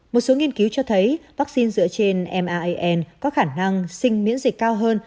một số nghiên cứu cho thấy vaccine dựa trên maan có khả năng sinh miễn dịch cao hơn